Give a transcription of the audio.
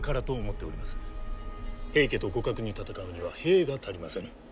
平家と互角に戦うには兵が足りませぬ。